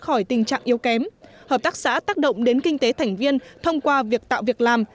khỏi tình trạng yếu kém hợp tác xã tác động đến kinh tế thành viên thông qua việc tạo việc làm